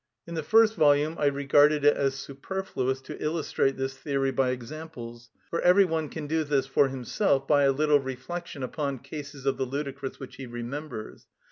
In the first volume I regarded it as superfluous to illustrate this theory by examples, for every one can do this for himself by a little reflection upon cases of the ludicrous which he remembers.